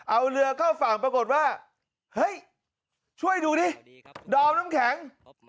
เอาเรือเข้าฝั่งปรากฏว่าเฮ้ยช่วยดูดิดอมน้ำแข็ง